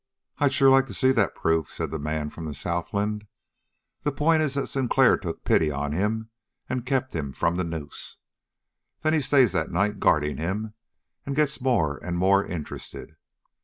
"I'd sure like to see that proof," said the man from the southland. "The point is that Sinclair took pity on him and kept him from the noose. Then he stays that night guarding him and gets more and more interested.